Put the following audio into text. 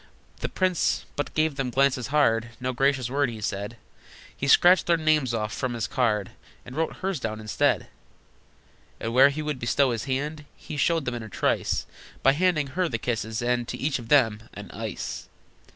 The prince but gave them glances hard, No gracious word he said; He scratched their names from off his card, And wrote hers down instead: And where he would bestow his hand He showed them in a trice By handing her the kisses, and To each of them an ice!